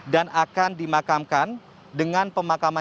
dan akan dimakamkan dengan pemakaman